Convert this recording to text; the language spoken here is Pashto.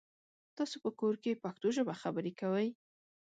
تاسو په کور کې پښتو ژبه خبري کوی؟